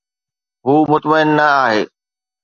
هو مطمئن نه آهي